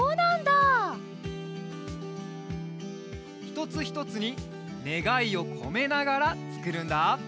ひとつひとつにねがいをこめながらつくるんだ。